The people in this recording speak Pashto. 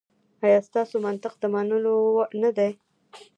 ایا ستاسو منطق د منلو نه دی؟